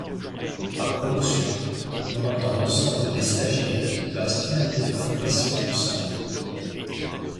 Par promotion, on entend l'ensemble des stagiaires qui passent une année de formation ensemble.